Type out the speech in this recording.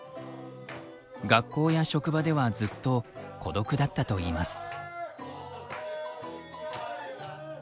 学校や職場ではずっと孤独だったといいます。